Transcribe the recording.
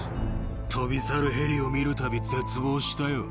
飛び去るヘリを見るたび、絶望したよ。